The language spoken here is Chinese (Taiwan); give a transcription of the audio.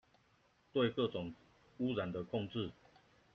對各種汙染的控制